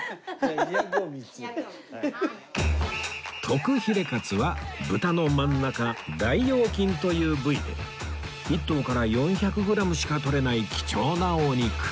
特ヒレカツは豚の真ん中大腰筋という部位で１頭から４００グラムしかとれない貴重なお肉